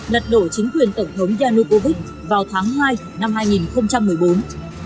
lật đổ chính quyền tổng thống yannocovich vào tháng hai năm hai nghìn một mươi bốn